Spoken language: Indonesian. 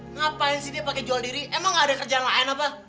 ngapain sih dia pake jual diri emang gak ada kerjaan lain apa